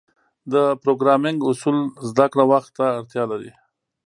د پروګرامینګ اصول زدهکړه وخت ته اړتیا لري.